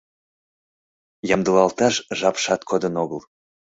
Ямдылалташ жапшат кодын огыл...